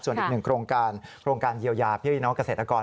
ส่วนอีกหนึ่งโครงการเยียวยาพิเศษน้องเกษตรกร